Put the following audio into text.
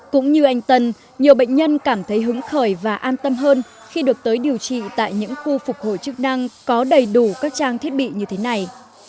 cũng như anh tân nhiều bệnh nhân cảm thấy hứng khởi và an tâm hơn khi được tới điều trị tại những khu phục hồi chức năng có đầy đủ các trang thiết bị như thế này